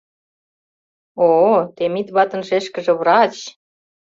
О-о, Темит ватын шешкыже — врач!»